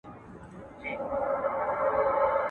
زه هره ورځ سينه سپين کوم